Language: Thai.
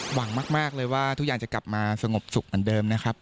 หวังมากเลยว่าทุกอย่างจะกลับมาสงบสุขเหมือนเดิมนะครับ